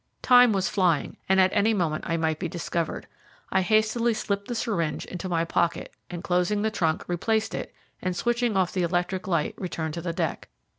Time was flying, and at any moment I might be discovered. I hastily slipped the syringe into my pocket, and closing the trunk, replaced it, and, switching off the electric light, returned to the deck.